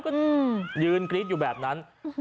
ก็ยืนกรี๊ดอยู่แบบนั้น